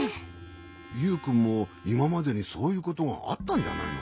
ユウくんもいままでにそういうことがあったんじゃないのかい？